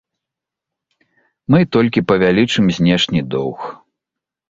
Мы толькі павялічым знешні доўг.